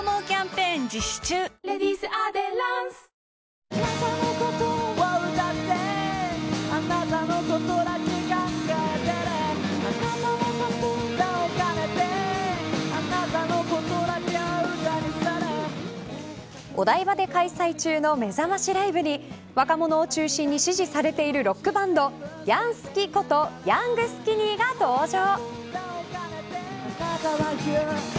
この速度だと１分間でおよそ１２００文字、およそお台場で開催中のめざましライブに若者を中心に支持されているロックバンドヤンスキことヤングスキニーが登場。